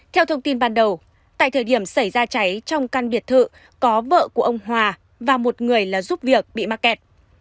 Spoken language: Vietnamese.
theo thông tin ban đầu tại thời điểm xảy ra cháy trong căn biệt thự có vợ của ông hòa và một người là giúp việc bị mắc kẹt